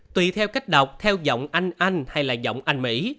tùy theo cách đọc theo giọng anh anh hay là giọng anh mỹ